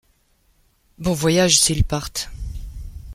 Bon voyage, s’ils partent.